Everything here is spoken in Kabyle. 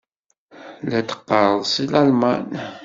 La d-teɣɣareḍ seg Lalman?